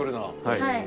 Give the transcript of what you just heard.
はい。